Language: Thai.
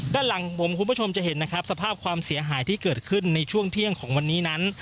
ด้านหลังผมคุณผู้ชมจะเห็นนะครับสภาพความเสียหายที่เกิดขึ้นในช่วงเที่ยงของวันนี้นั้น